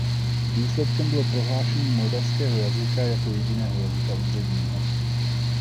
Důsledkem bylo prohlášení moldavského jazyka jako jediného jazyka úředního.